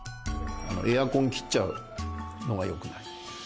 エアコン切っちゃうのはよくない。